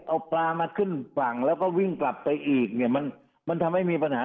เอาปลามาขึ้นฝั่งแล้วก็วิ่งกลับไปอีกเนี่ยมันมันทำให้มีปัญหา